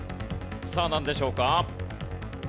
さあなんでしょうか？